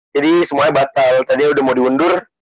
jadi semuanya batal tadi udah mau diundur